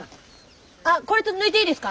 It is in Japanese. あこれって抜いていいですか？